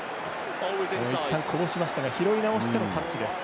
いったん、こぼしましたが拾いなおしてのタッチです。